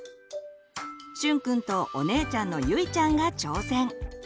しゅんくんとお姉ちゃんのゆいちゃんが挑戦！